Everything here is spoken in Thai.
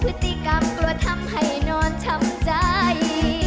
พฤติกรรมกลัวทำให้นอนช้ำใจ